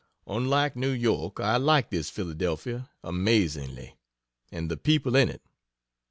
Unlike New York, I like this Philadelphia amazingly, and the people in it.